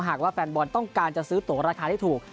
หากว่าแฟนบอลต้องการจะซื้อตัวราคาที่ถูก